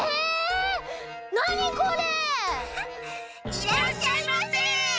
いらっしゃいませ！